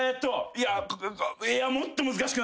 いやもっと難しくなるっすな。